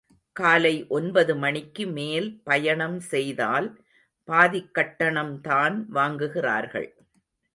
காலை ஒன்பது மணிக்கு மேல் பயணம் செய்தால் பாதிக் கட்டணம்தான் வாங்குகிறார்கள்.